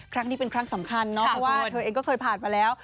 ครั้งนี้เป็นครั้งสำคัญเนาะเพราะว่าเธอเองก็เคยผ่านมาแล้ว